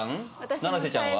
七瀬ちゃんは？